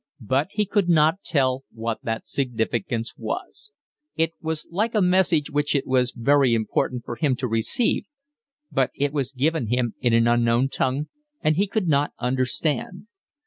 But he could not tell what that significance was. It was like a message which it was very important for him to receive, but it was given him in an unknown tongue, and he could not understand.